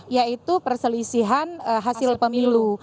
yaitu perselisihan hasil pemilu